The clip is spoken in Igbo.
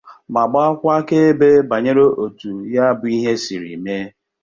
ma gbakwa akaebe banyere etu ya bụ ihe siri wee mee.